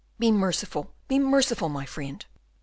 "Be merciful, be merciful, my friend!"